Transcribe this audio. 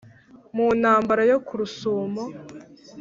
mu ntambara yo ku rusumo